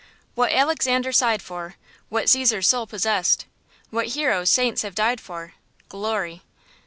"What Alexander sighed for, What Caesar's soul possessed, What heroes, saints have died for, Glory!"